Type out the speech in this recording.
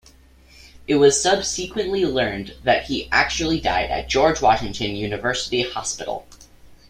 It was subsequently learned that he actually died at George Washington University Hospital.